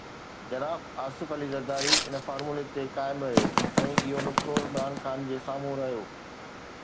جناب آصف علي زرداري ان فارمولي تي قائم رهيو ۽ اهو نقطو عمران خان جي سامهون رهيو.